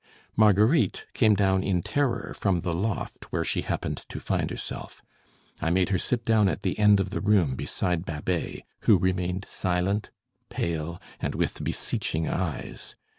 Marguerite came down in terror from the loft where she happened to find herself. I made her sit down at the end of the room beside Babet, who remained silent, pale, and with beseeching eyes.